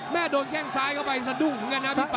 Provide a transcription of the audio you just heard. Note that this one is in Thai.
แม่โดนแค่งซ้ายเข้าไปสะดุ้งอย่างนั้นนะพี่ป่า